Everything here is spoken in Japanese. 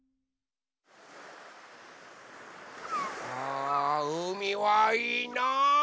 あうみはいいな！